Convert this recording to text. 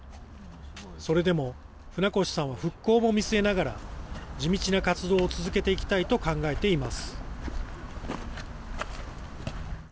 それでも、船越さんは復興も見据えながら、地道な活動を続けていきたいと考えています。